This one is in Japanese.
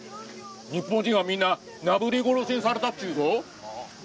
日本人はみんななぶり殺しにされたっちゅうぞ。